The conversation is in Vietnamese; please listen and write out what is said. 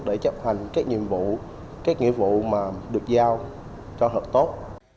để chấp hành các nhiệm vụ các nghĩa vụ mà được giao cho thật tốt